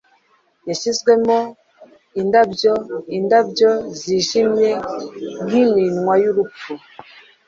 Yashizwemo indabyoindabyo zijimye nkiminwa yurupfu